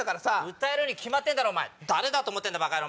歌えるに決まってんだろ誰だと思ってんだバカヤロ！